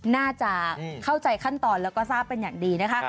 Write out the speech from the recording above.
น่าจะเข้าใจขั้นตอนแล้วก็ทราบเป็นอย่างดีนะคะ